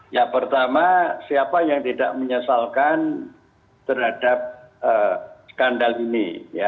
ya pertama siapa yang tidak menyesalkan terhadap skandal ini